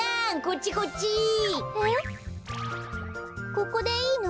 ここでいいの？